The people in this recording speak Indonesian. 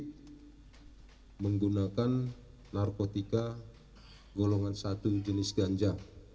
ini menggunakan narkotika golongan satu jenis ganja